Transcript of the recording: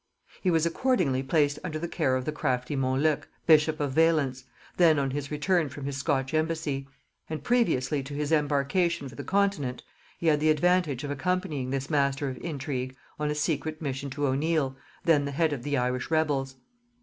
He was accordingly placed under the care of the crafty Monluc bishop of Valence, then on his return from his Scotch embassy; and previously to his embarkation for the continent he had the advantage of accompanying this master of intrigue on a secret mission to O'Neil, then the head of the Irish rebels.